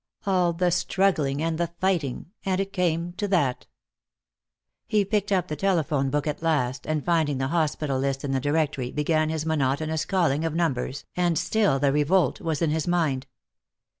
All the struggling and the fighting, and it came to that. He picked up the telephone book at last, and finding the hospital list in the directory began his monotonous calling of numbers, and still the revolt was in his mind.